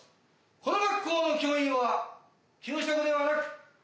この学校の教員は給食ではなく弁当を。